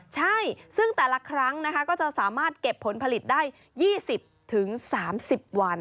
ใช่ซึ่งแต่ละครั้งนะคะก็จะสามารถเก็บผลผลิตได้๒๐๓๐วัน